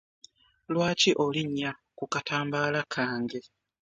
Lwaki olinya ku katambaala kange?